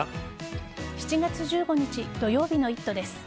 ７月１５日土曜日の「イット！」です。